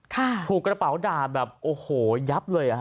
ถูกกระเป๋าด่าแบบโอ้โหยับเลยอ่ะฮ